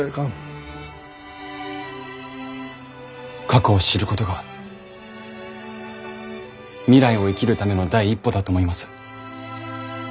過去を知ることが未来を生きるための第一歩だと思います。